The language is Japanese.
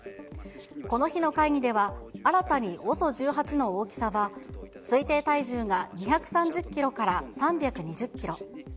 この日の会議では、新たにＯＳＯ１８の大きさは推定体重が２３０キロから３２０キロ。